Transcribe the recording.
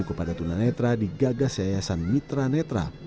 kepada tunanetra digagas yayasan mitra netra